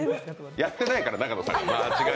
やってないのよ、永野さん。